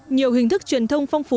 nhiều hình thức truyền thông phong pháp